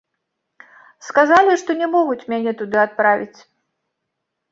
Сказалі, што не могуць мяне туды адправіць.